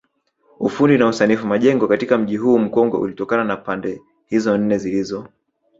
Ufundi na usanifu majengo katika mji huu mkongwe ulitokana na pande hizo nne zilizo